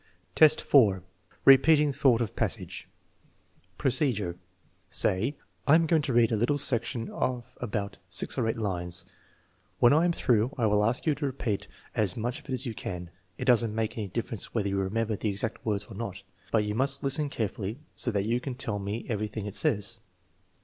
Superior adult, 4: repeating thought of passage Procedure. Say: "7 am going to read a little selection of about six or eight lines. When I am through I will asJc you to repeat as much of it as you can. It does n't make any difference whether you remember the exact words or not, but you must listen carefully so that you can tell me everything it says."